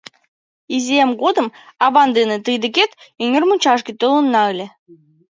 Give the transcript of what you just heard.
— Изиэм годым авам дене тый декет, Эҥермучашке, толынна ыле.